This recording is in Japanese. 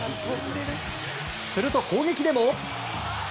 すると、攻撃でも。